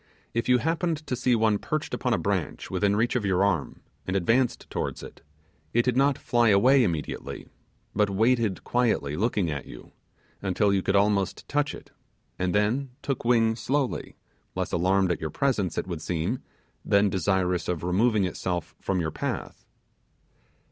If you happened to see one perched upon a branch within reach of your arm, and advanced towards it, it did not fly away immediately, but waited quietly looking at you, until you could almost touch it, and then took wing slowly, less alarmed at your presence, it would seem, than desirous of removing itself from your path.